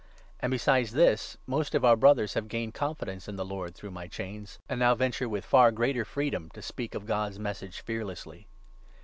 And besides this, most of 14 our Brothers have gained confidence in the Lord through my chains, and now venture with far greater freedom to speak of God's Message fearlessly.